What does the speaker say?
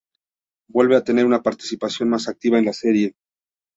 Vuelve a tener una participación más activa en la serie.